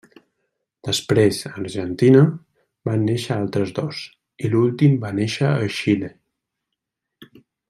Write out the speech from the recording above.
Després a Argentina, van néixer altres dos, i l'últim va néixer a Xile.